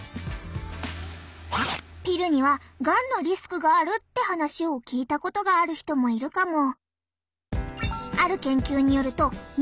ピルにはがんのリスクがあるって話を聞いたことがある人もいるかも。